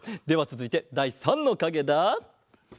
ではつづいてだい３のかげだ。